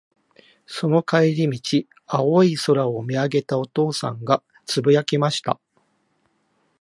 その帰り道、青い空を見上げたお父さんが、つぶやきました。